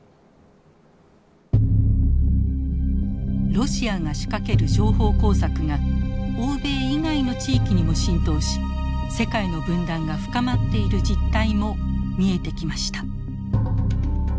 ロシアが仕掛ける情報工作が欧米以外の地域にも浸透し世界の分断が深まっている実態も見えてきました。